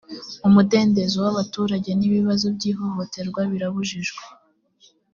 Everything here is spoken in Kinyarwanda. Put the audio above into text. umudendezo w ‘abaturage n’ibibazo by ‘ihohoterwa birabujijwe.